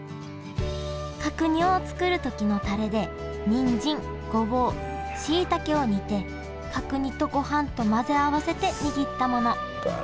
角煮を作る時のタレでにんじんごぼうしいたけを煮て角煮とごはんと混ぜ合わせて握ったもの。